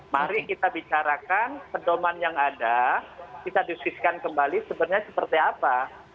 mari kita bicarakan pendoman yang ada bisa diusiskan kembali sebenarnya seperti apa